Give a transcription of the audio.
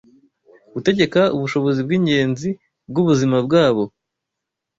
gutegeka ubushobozi bw’ingenzi bw’ubuzima bwabo. …